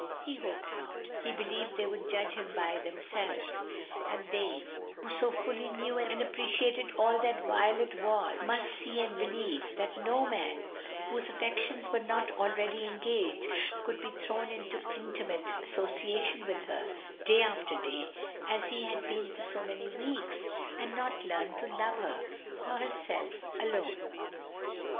He hoped not, he believed they would judge him by themselves. And they who so fully knew and appreciated all that Violet was must see and believe that no man whose affections were not already engaged could be thrown into intimate association with her day after day, as he had been for so many weeks, and not learn to love her for herself alone.